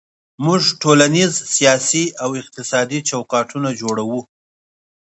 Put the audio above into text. موږ ټولنیز، سیاسي او اقتصادي چوکاټونه جوړوو.